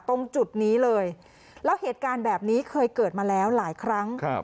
ตรงจุดนี้เลยแล้วเหตุการณ์แบบนี้เคยเกิดมาแล้วหลายครั้งครับ